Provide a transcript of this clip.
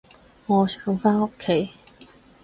我想返屋企